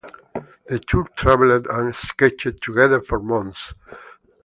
The two travelled and sketched together for months.